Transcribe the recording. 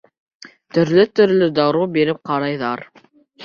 Төрлө-төрлө дарыу биреп ҡарайҙар.